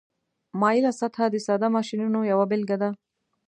مایله سطحه د ساده ماشینونو یوه بیلګه ده.